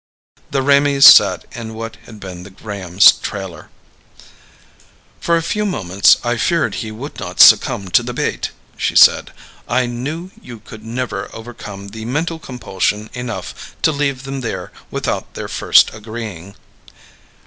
The Raimees sat in what had been the Grahams' trailer. "For a few moments, I feared he would not succumb to the bait," she said. "I knew you could never overcome the mental compulsion enough to leave them there without their first agreeing."